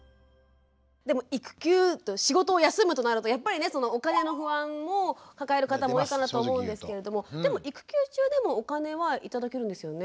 でも育休仕事を休むとなるとやっぱりねお金の不安を抱える方も多いかなと思うんですけれどもでも育休中でもお金は頂けるんですよね？